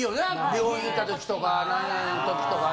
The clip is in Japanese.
病院行った時とか何の時とか。